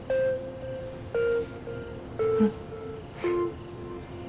うん。